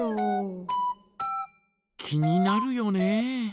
気になるよね。